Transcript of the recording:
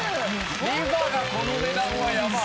リファがこの値段はやばい。